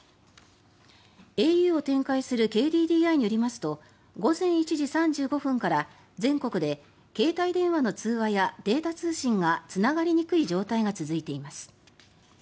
ａｕを展開するＫＤＤＩによりますと午前１時３５分から全国で携帯電話の通話やデータ通信がつながりにくい状態が続いています。